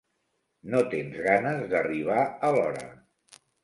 No tens ganes d'arribar a l'hora.